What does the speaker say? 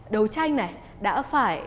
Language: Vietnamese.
đấu tranh này đã phải